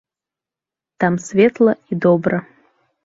Там светла і добра.